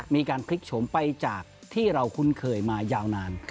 มีการพลิกโฉมไปจากที่เราคุ้นเคยมายาวนาน